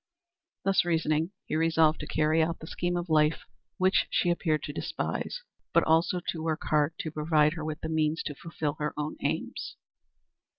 Thus reasoning, he resolved to carry out the scheme of life which she appeared to despise, but also to work hard to provide her with the means to fulfil her own aims.